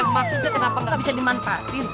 maksudnya kenapa nggak bisa dimanfaatin